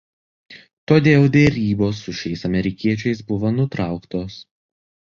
Todėl derybos su šiais amerikiečiais buvo nutrauktos.